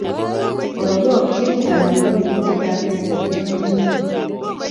Oropokchi, kanyor walutyetap tebuyonotok